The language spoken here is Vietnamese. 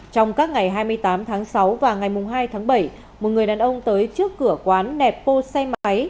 trong các ngày hai mươi tám tháng sáu và ngày hai tháng bảy một người đàn ông tới trước cửa quán nẹp bô xe máy